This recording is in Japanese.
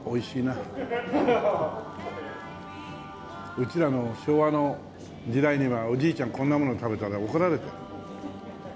うちらの昭和の時代にはおじいちゃんこんなもの食べたら怒られた。